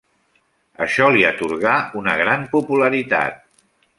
Això li atorgà una gran popularitat.